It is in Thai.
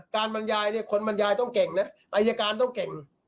การบรรยายคนบรรยายต้องเก่งนะ